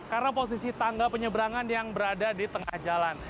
karena posisi tangga penyeberangan yang berada di tengah jalan